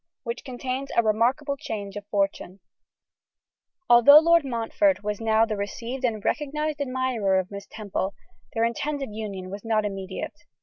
Which Contains a Remarkable Change of Fortune. ALTHOUGH Lord Montfort was now the received and recognised admirer of Miss Temple, their intended union was not immediate.